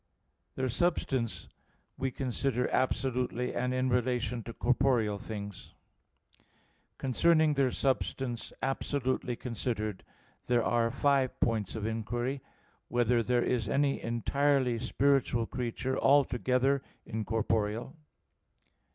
Their substance we consider absolutely and in relation to corporeal things. Concerning their substance absolutely considered, there are five points of inquiry: (1) Whether there is any entirely spiritual creature, altogether incorporeal?